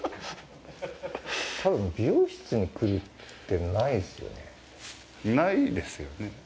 多分、美容室に来るって、ないですよね。